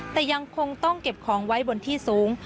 แต่ยังคงต้องเก็บของไว้บนที่สูง